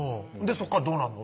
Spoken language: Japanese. そっからどうなんの？